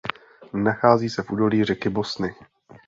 Nachází se v údolí řeky Bosny.